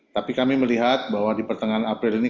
tapi kami melihat bahwa di pertengahan april ini